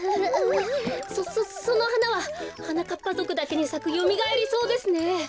そそのはなははなかっぱぞくだけにさくよみがえり草ですね。